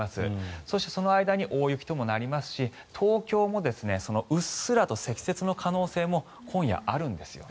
そして、その間に大雪ともなりますし東京もうっすらと積雪の可能性も今夜、あるんですよね。